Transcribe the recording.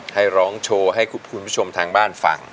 ให้ร้องโชว์ให้คุณผู้ชมทางบ้านฟัง